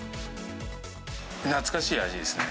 懐かしい味ですね。